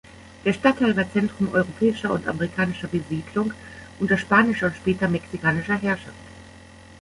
Der Stadtteil war Zentrum europäischer und amerikanischer Besiedlung unter spanischer und später mexikanischer Herrschaft.